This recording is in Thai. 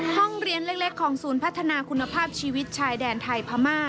ห้องเรียนเล็กของศูนย์พัฒนาคุณภาพชีวิตชายแดนไทยพม่า